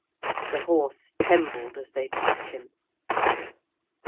The horse trembled as they touched him.